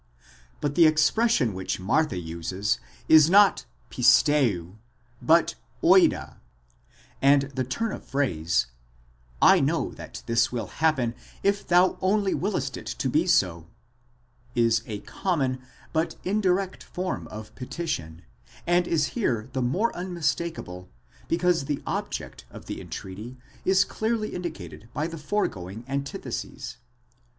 But the expression which Martha there uses is not πιστεύω but οἶδα, and the turn of phrase: I know that this will happen if thou only willest it to be so, is a common but indirect form of petition, and is here the more unmistakable, because the object of the en treaty is clearly indicated by the foregoing antithesis.